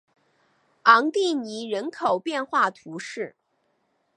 昂蒂尼人口变化图示